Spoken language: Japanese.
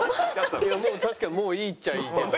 確かにもういいっちゃいいけど。